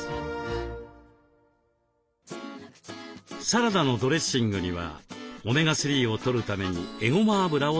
サラダのドレッシングにはオメガ３をとるためにえごま油を使います。